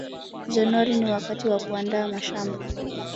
januari ni wakati wa kuandaa mashamba